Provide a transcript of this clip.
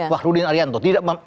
wah rudin arianto